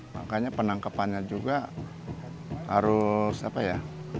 makanya penangkapannya juga harus apa ya